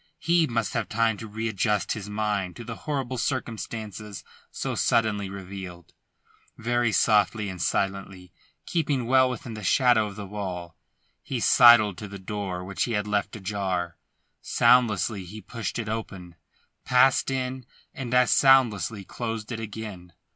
He must have time to readjust his mind to the horrible circumstances so suddenly revealed. Very soft and silently, keeping well within the shadow of the wall, he sidled to the door which he had left ajar. Soundlessly he pushed it open, passed in and as soundlessly closed it again.